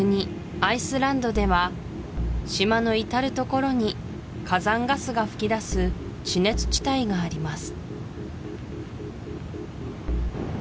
アイスランドでは島の至る所に火山ガスが噴き出す地熱地帯があります